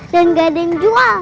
dan gak ada yang jual